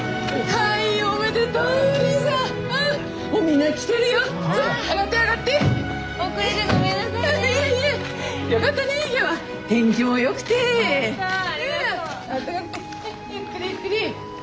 はいゆっくりゆっくり。